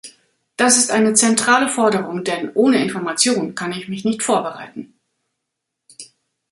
Das ist eine zentrale Forderung, denn ohne Information kann ich mich nicht vorbereiten.